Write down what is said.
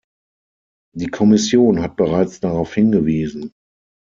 Die Kommission hat bereits darauf hingewiesen.